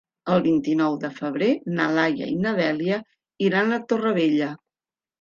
El vint-i-nou de febrer na Laia i na Dèlia iran a Torrevella.